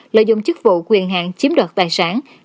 lợi dụng chức vụ quyền hạn chiếm đoạt tài sản